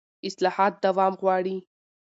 اصلاحات دوام غواړي